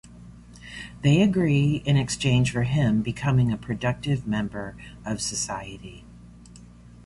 They agree in exchange for him becoming a productive member of society.